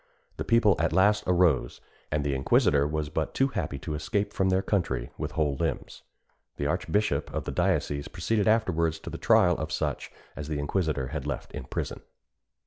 The people at last arose, and the inquisitor was but too happy to escape from the country with whole limbs. The archbishop of the diocese proceeded afterwards to the trial of such as the inquisitor had left in prison.